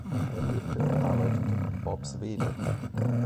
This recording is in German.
Er lebte und arbeitete in Worpswede.